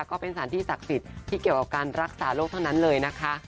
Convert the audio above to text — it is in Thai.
ก็เป็นสารที่ศักดิ์สิทธิ์ที่เกี่ยวกับการรักษาโรคเท่านั้นเลยนะคะ